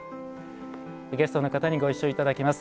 ゲストの方にご一緒いただきます。